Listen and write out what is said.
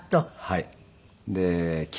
はい。